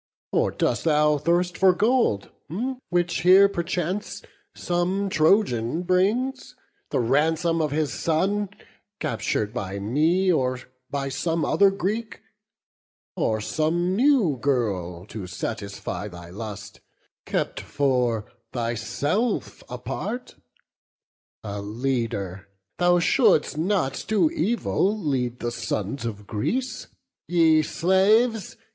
Or dost thou thirst for gold, which here perchance Some Trojan brings, the ransom of his son Captur'd by me, or by some other Greek? Or some new girl, to gratify thy lust, Kept for thyself apart? a leader, thou Shouldst not to evil lead the sons of Greece. Ye slaves!